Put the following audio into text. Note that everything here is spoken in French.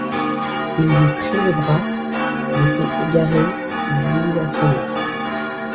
Il lui prit le bras, il était égaré, il voulut l’entraîner.